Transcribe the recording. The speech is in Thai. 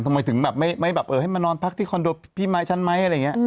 ทำไมถึงไม่ให้มานอนพักที่คอนโดพี่ฉันไหมอะไรอย่างนี้